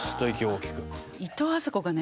いとうあさこがね